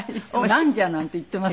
「なんじゃ？」なんて言っています。